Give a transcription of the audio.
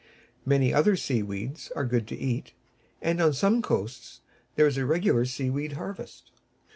Many other sea weeds are good to eat, and on some coasts there is a regular sea weed harvest.